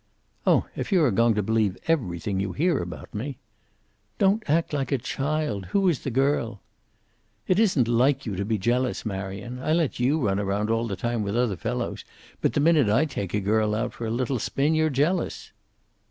"Oh, if you are going to believe everything you hear about me?" "Don't act like a child. Who was the girl?" "It isn't like you to be jealous, Marion. I let you run around all the time with other fellows, but the minute I take a girl out for a little spin, you're jealous."